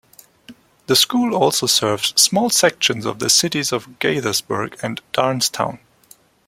The school also serves small sections of the cities of Gaithersburg and Darnestown.